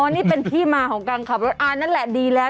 นี่เป็นที่มาของการขับรถอ่านั่นแหละดีแล้ว